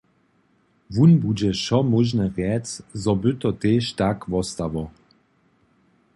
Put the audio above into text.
Wón budźe wšo móžne rjec, zo by to tež tak wostało.